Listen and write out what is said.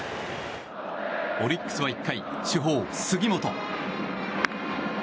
オリックスは１回主砲・杉本。